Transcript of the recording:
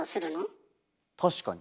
確かに。